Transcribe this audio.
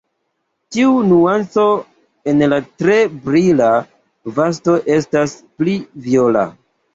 Tiu nuanco en la tre brila vosto estas pli viola.